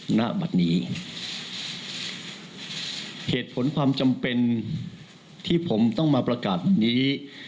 ณบัตรนี้เหตุผลความจำเป็นที่ผมต้องมาประกาศแบบนี้